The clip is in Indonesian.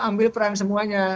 ambil peran semuanya